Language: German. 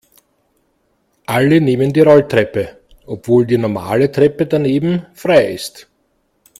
Alle nehmen die Rolltreppe, obwohl die normale Treppe daneben frei ist.